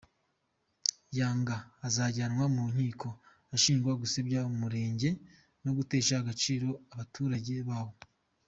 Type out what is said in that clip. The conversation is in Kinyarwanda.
Yanga azajyanwa mu nkiko ashinjwa gusebya umurenge no gutesha agaciro abaturage bawo.